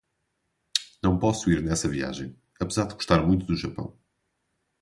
Não posso ir nessa viagem, apesar de gostar muito do Japão.